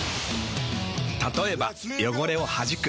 たとえば汚れをはじく。